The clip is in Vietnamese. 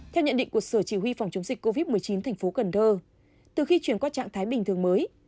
theo nhận định của sở chỉ huy phòng chống dịch covid một mươi chín tp cn từ khi chuyển qua trạng thái bình thường mới